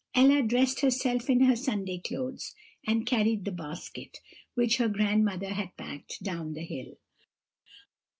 "Ella dressed herself in her Sunday clothes, and carried the basket, which her grandmother had packed, down the hill.